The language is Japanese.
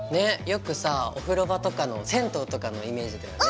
よくさお風呂場とかの銭湯とかのイメージだよね。